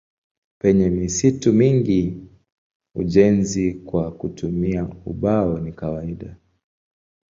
Penye misitu mingi ujenzi kwa kutumia ubao ni kawaida.